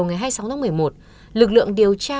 ngày hai mươi sáu tháng một mươi một lực lượng điều tra